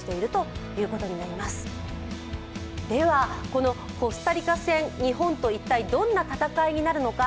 このコスタリカ戦日本と一体どんな戦いになるのか、